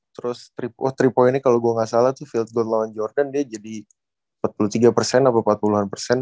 terus wah tiga pointnya kalau gue gak salah tuh field gon lawan jordan dia jadi empat puluh tiga persen atau empat puluh an persen